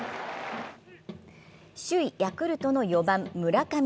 首位ヤクルトの４番・村上。